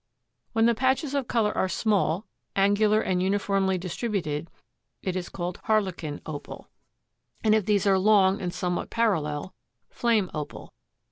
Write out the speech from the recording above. When the patches of color are small, angular and uniformly distributed it is called harlequin Opal, and if these are long and somewhat parallel, flame Opal.